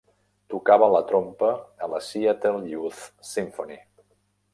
Tocava la trompa a la Seattle Youth Symphony.